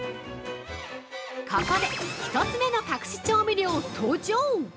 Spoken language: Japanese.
ここで１つ目の隠し調味料登場。